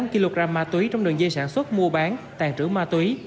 một trăm tám mươi tám kg ma túy trong đường dây sản xuất mua bán tàn trữ ma túy